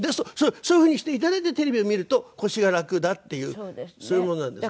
そういう風にしていただいてテレビを見ると腰が楽だっていうそういうものなんですね。